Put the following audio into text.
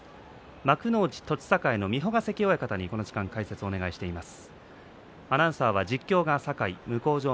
幕内栃栄の三保ヶ関親方に、この時間解説をお願いしています。